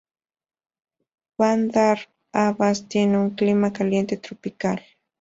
Bandar Abbas tiene un clima caliente tropical.